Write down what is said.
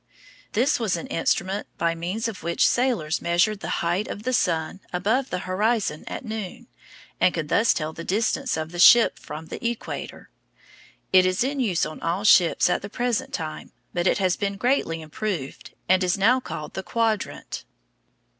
This was an instrument by means of which sailors measured the height of the sun above the horizon at noon, and could thus tell the distance of the ship from the equator. It is in use on all the ships at the present time, but it has been greatly improved, and is now called the quadrant.